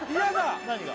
何が？